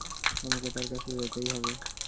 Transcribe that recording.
আমাকে তার কাছে যেতেই হবে!